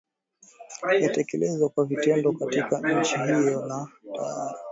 yatekelezwa kwa vitendo katika nchi hiyo na tayari